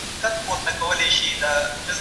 سپورت د بدن چاغښت کموي.